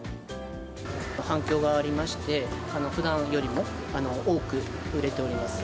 反響がありまして、ふだんよりも多く売れております。